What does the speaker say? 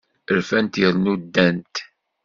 Rfant yernu ddant.